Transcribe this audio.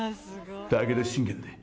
武田信玄で。